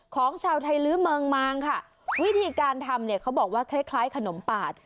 ของชาวไทยลื้อเมืองมางค่ะวิธีการทำเนี่ยเขาบอกว่าคล้ายคล้ายขนมปาด